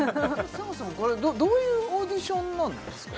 そもそもこれどういうオーディションなんですか？